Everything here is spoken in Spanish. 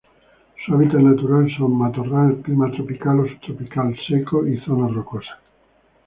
Su hábitat natural son: matorral clima tropical o subtropical seco y zonas rocosas.